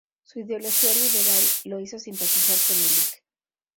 Su ideología liberal lo hizo simpatizar con el Lic.